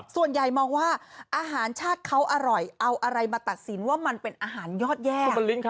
ส่วนใหญ่มองว่าอาหารชาติเขาอร่อยเอาอะไรมาตัดสินว่ามันเป็นอาหารยอดแย่